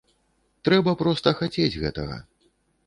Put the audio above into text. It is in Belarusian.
Трэба проста хацець гэтага.